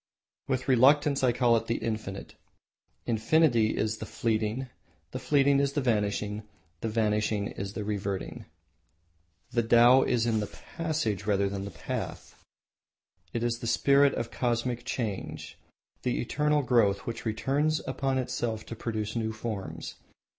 With reluctance I call it the Infinite. Infinity is the Fleeting, the Fleeting is the Vanishing, the Vanishing is the Reverting." The Tao is in the Passage rather than the Path. It is the spirit of Cosmic Change, the eternal growth which returns upon itself to produce new forms.